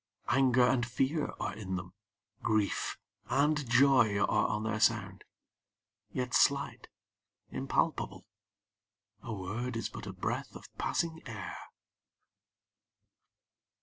Anger and fear are in them; grief and joy Are on their sound; yet slight, impalpable: A word is but a breath of passing air.